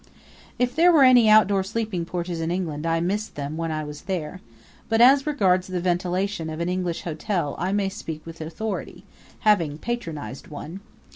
If there are any outdoor sleeping porches in England I missed them when I was there; but as regards the ventilation of an English hotel I may speak with authority, having patronized one.